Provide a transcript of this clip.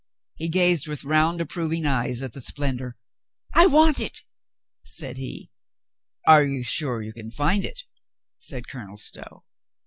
He gazed with round, approving eyes at the splendor. "I want it," said he. "Are you sure you can find it?" said Colonel Stow.